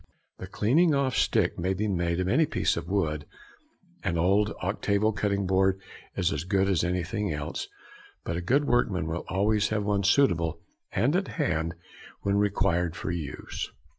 The cleaning off stick may be made of any piece of wood; an old octavo cutting board is as good as anything else, but a good workman will always have one suitable and at hand when required for use.